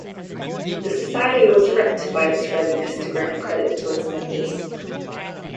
The Society was "wrecked" by its readiness to grant credit to its members.